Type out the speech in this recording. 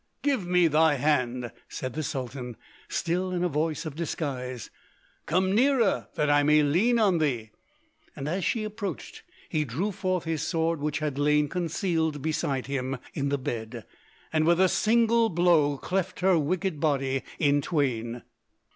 "Give me thy hand!" said the Sultan, still in a voice of disguise; "come nearer that I may lean on thee!" And as she approached he drew forth his sword which had lain concealed beside him in the bed, and with a single blow cleft her wicked body in twain.